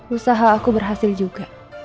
usaha aku berhasil juga